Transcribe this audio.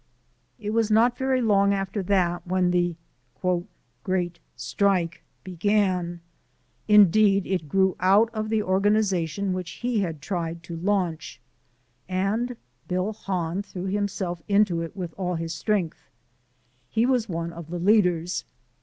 It was not very long after that when the "great strike" began indeed, it grew out of the organization which he had tried to launched and Bill Hahn threw himself into it with all his strength. He was one of the leaders.